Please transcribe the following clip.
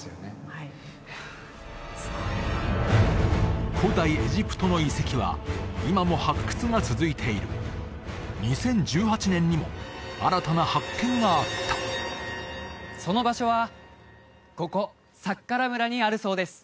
はいいやあすごいなあ古代エジプトの遺跡は今も発掘が続いている２０１８年にも新たな発見があったその場所はここサッカラ村にあるそうです